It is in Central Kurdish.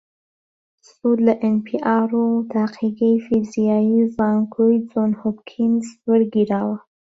سود لە ئێن پی ئاڕ و تاقیگەی فیزیایی زانکۆی جۆن هۆپکینز وەرگیراوە